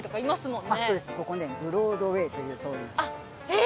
ここねブロードウェイという通りなんですあっへえ！